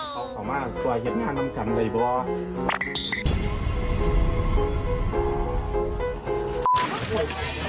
เขาเขามาสว่ายเห็นงานทำกันไงบ้าง